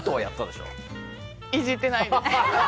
いじってないです。